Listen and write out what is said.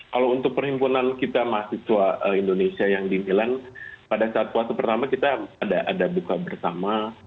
kalau untuk perhimpunan kita mahasiswa indonesia yang di milan pada saat puasa pertama kita ada buka bersama